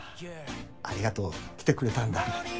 ありがとう来てくれたんだ。